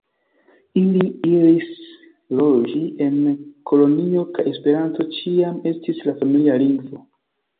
Ili iris loĝi en Kolonjo kaj Esperanto ĉiam estis la familia lingvo.